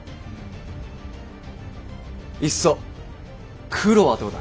いっそ黒はどうだ。